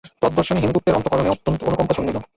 তদ্দর্শনে হেমগুপ্তের অন্তঃকরণে অত্যন্ত অনুকম্পা জন্মিল।